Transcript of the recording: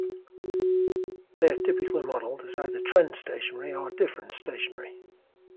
They are typically modelled as either trend stationary or difference stationary.